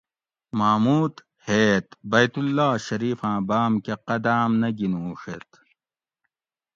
محمود ھیت بیت اللّہ شریفاۤں بام کہ قداۤم نہ گِنوڛیت